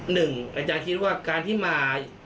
อาจารย์คิดว่าการที่มา